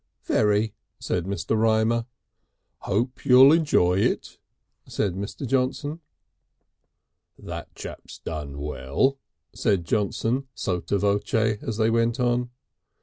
"Very," said Mr. Rymer. "Hope you'll enjoy it," said Mr. Johnson. "That chap's done well," said Johnson sotto voce as they went on.